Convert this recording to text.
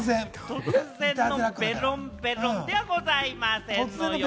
突然のベロンベロンではございません。